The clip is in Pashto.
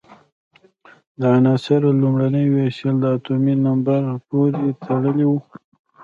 د عناصرو لومړنۍ وېشل د اتومي نمبر پورې تړلی وو.